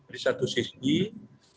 di satu sisi protokol kesehatan